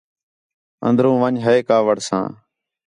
اندر ون٘ڄ ہی کاوِڑ ساں